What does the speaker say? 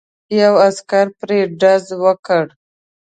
یو عسکر پرې ډز وکړ.